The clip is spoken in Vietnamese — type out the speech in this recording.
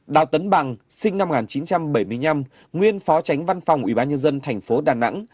đào tấn bằng sinh năm một nghìn chín trăm bảy mươi năm nguyên phó tránh văn phòng ủy ban nhân dân tp đà nẵng